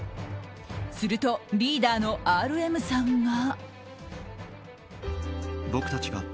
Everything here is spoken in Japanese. すると、リーダーのＲＭさんが。